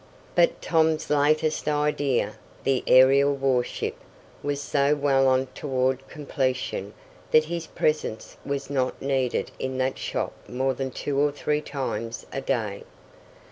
But Tom's latest idea, the aerial warship, was so well on toward completion that his presence was not needed in that shop more than two or three times a day.